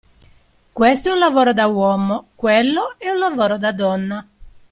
Questo è un lavoro da uomo, quello è un lavoro da donna.